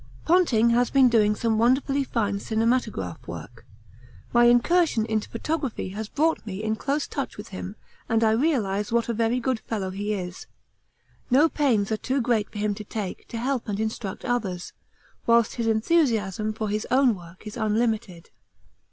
Ponting has been doing some wonderfully fine cinematograph work. My incursion into photography has brought me in close touch with him and I realise what a very good fellow he is; no pains are too great for him to take to help and instruct others, whilst his enthusiasm for his own work is unlimited.